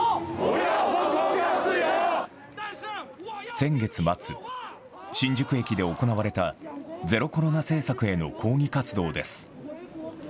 先月末、新宿駅で行われたゼロコロナ政策への抗議活動です。